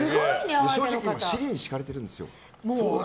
正直尻に敷かれているんですよ。